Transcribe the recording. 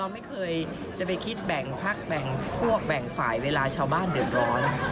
ไม่เคยจะไปคิดแบ่งพักแบ่งพวกแบ่งฝ่ายเวลาชาวบ้านเดือดร้อน